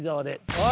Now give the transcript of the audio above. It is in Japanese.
おい！